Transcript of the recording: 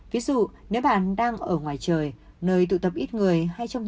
ví dụ nếu bạn đang ở ngoài trời nơi tụ tập ít người